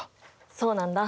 そうなんだ！